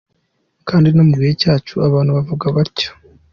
Kandi no mu gihe cyacu abantu bavuga batyo.